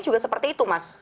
juga seperti itu mas